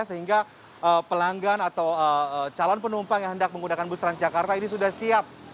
sehingga pelanggan atau calon penumpang yang hendak menggunakan bus transjakarta ini sudah siap